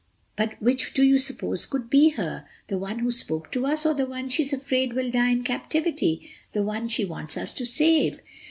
But which do you suppose could be her—the one who spoke to us or the one she's afraid will die in captivity—the one she wants us to save."